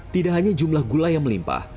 tidak hanya jumlah gula yang melimpah